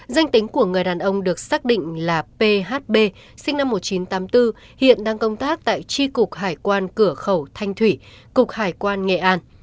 danh tính của người đàn ông được xác định là phb sinh năm một nghìn chín trăm tám mươi bốn hiện đang công tác tại tri cục hải quan cửa khẩu thanh thủy cục hải quan nghệ an